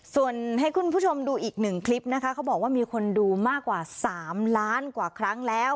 ส่วนให้คุณผู้ชมดูอีกหนึ่งคลิปนะคะเขาบอกว่ามีคนดูมากกว่า๓ล้านกว่าครั้งแล้ว